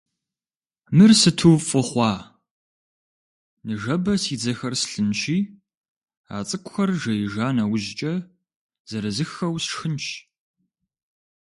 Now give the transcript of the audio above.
Мыр сыту фӀы хъуа! Ныжэбэ си дзэхэр слъынщи, а цӀыкӀухэр жеижа нэужькӀэ, зэрызыххэу сшхынщ.